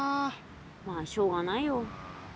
まあしょうがないよ。